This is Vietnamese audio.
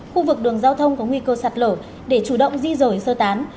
khu vực đường giao thông có nguy cơ sạt lở để chủ động di rời sơ tán